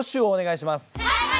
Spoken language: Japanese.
はい！